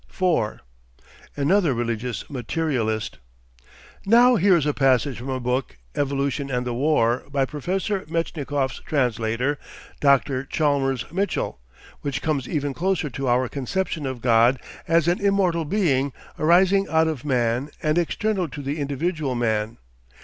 4. ANOTHER RELIGIOUS MATERIALIST Now here is a passage from a book, "Evolution and the War," by Professor Metchnikoff's translator, Dr. Chalmers Mitchell, which comes even closer to our conception of God as an immortal being arising out of man, and external to the individual man.